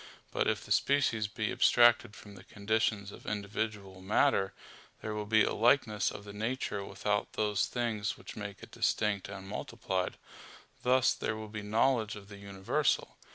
But if the species be abstracted from the conditions of individual matter, there will be a likeness of the nature without those things which make it distinct and multiplied; thus there will be knowledge of the universal.